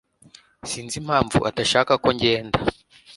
Sinzi impamvu adashaka ko ngenda.